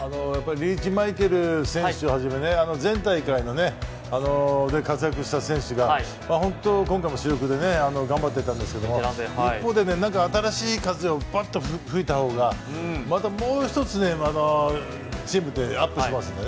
リーチマイケル選手を初め全大会の活躍した選手が今回も主力で頑張ってたんですけど一方で何か新しい風をバッと吹いたほうがもう一つねチームでアップしますのでね。